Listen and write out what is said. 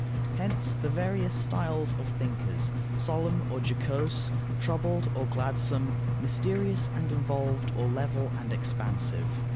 Hence the various styles of thinkers, solemn or jocose, troubled or gladsome, mysterious and involved, or level and expansive.